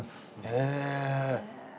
へえ！